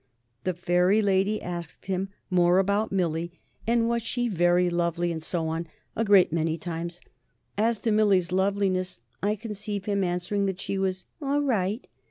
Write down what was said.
The Fairy Lady asked him more about Millie, and was she very lovely, and so on a great many times. As to Millie's loveliness, I conceive him answering that she was "all right."